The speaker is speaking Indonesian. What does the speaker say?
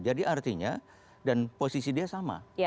jadi artinya dan posisi dia sama